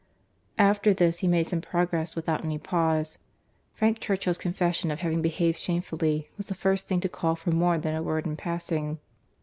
After this, he made some progress without any pause. Frank Churchill's confession of having behaved shamefully was the first thing to call for more than a word in passing.